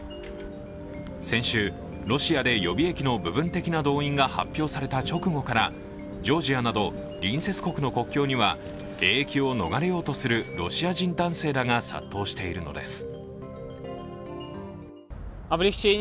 先週、ロシアで予備役の部分的な動員が発表された直後からジョージアなど隣接国の国境には兵役を逃れようとするロシア人男性らが殺到しているのです。